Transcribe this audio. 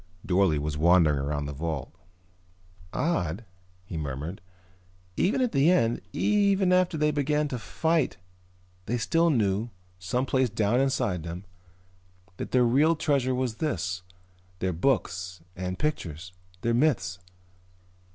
Dorle was wandering around the vault. "Odd," he murmured. "Even at the end, even after they had begun to fight they still knew, someplace down inside them, that their real treasure was this, their books and pictures, their myths.